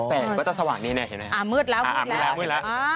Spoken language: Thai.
แสงก็จะสว่างนี่แหละเห็นไหมครับอ่ามืดแล้วมืดแล้วอ่า